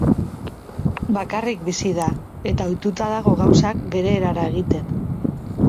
Bakarrik bizi da eta ohituta dago gauzak bere erara egiten.